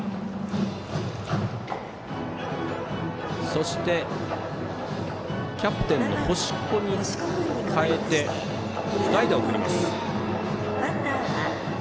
そしてキャプテンの星子に代えて代打を送ります。